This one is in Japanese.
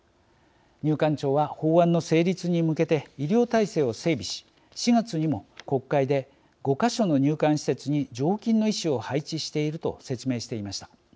入管庁は法案の成立に向けて医療体制を整備し４月にも国会で５か所の入管施設に常勤の医師を配置していると説明していました。